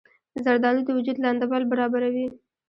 زردالو د وجود لندبل برابروي.